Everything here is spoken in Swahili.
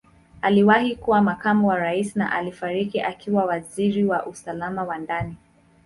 Aliwahi kuwa Makamu wa Rais na alifariki akiwa Waziri wa Usalama wa Ndani.